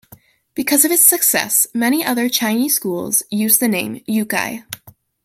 Because of its success, many other Chinese schools use the name "Yucai".